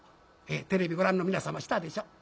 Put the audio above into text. テレビご覧の皆様したでしょ？